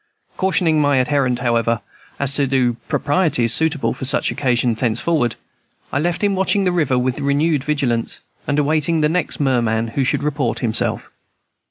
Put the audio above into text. Cautioning my adherent, however, as to the proprieties suitable for such occasions thenceforward, I left him watching the river with renewed vigilance, and awaiting the next merman who should report himself.